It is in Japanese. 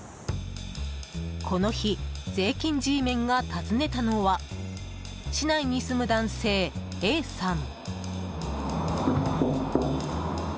この日、税金Ｇメンが訪ねたのは市内に住む男性Ａさん。